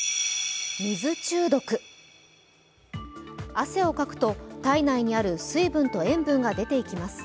汗をかくと、体内にある水分と塩分が出ていきます。